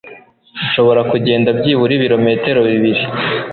nshobora kugenda byibura ibirometero bibiri